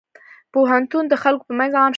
پوهنتون د خلکو په منځ عام شوی.